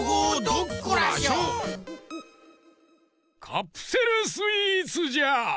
カプセルスイーツじゃ。